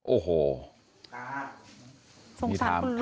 โอ้โฮสงสารคุณลุงสงสารครับ